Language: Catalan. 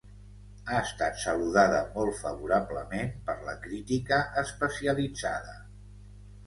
Ha estat saludada molt favorablement per la crítica especialitzada.